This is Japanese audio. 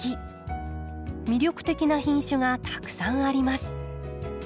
魅力的な品種がたくさんあります。